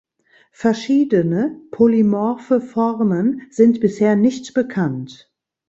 Verschiedene polymorphe Formen sind bisher nicht bekannt.